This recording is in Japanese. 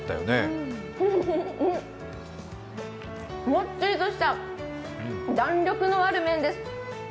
もっちりとした弾力のある麺です。